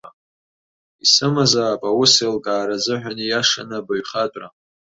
Исымазаап, аусеилкаара азыҳәан ииашаны абаҩхатәра.